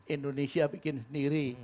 indonesia bikin sendiri